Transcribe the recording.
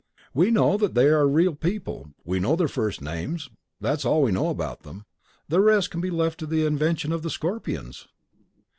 We know that they are real people; we know their first names; that's all we know about them. The rest can be left to the invention of the Scorpions."